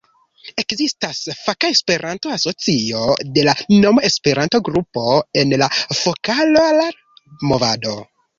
Ekzistas faka Esperanto-asocio de la nomo Esperanto-grupo en la Fokolar-Movado.